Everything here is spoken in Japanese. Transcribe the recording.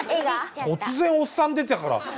突然おっさん出たから。